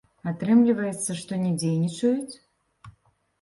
Атрымліваецца, што не дзейнічаюць?